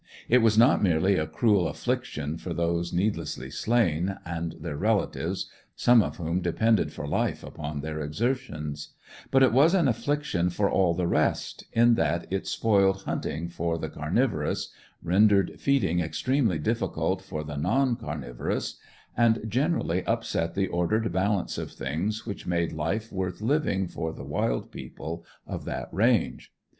It was not merely a cruel affliction for those needlessly slain, and their relatives (some of whom depended for life upon their exertions); but it was an affliction for all the rest, in that it spoiled hunting for the carnivorous, rendered feeding extremely difficult for the non carnivorous, and generally upset the ordered balance of things which made life worth living for the wild people of that range.